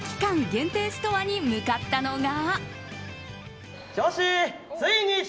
限定ストアに向かったのが。